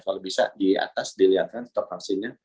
kalau bisa di atas dilihatkan stok vaksinnya